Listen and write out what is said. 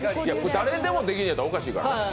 誰でもできるんやったらおかしいから。